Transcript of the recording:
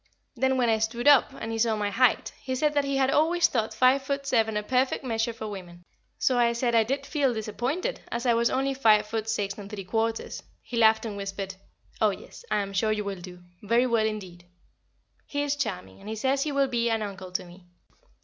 Then when I stood up, and he saw my height, he said that he had always thought five foot seven a perfect measure for women, so I said I did feel disappointed, as I was only five foot six and three quarters; he laughed and whispered, "Oh yes, I am sure you will do very well indeed." He is charming, and he says he will be an uncle to me.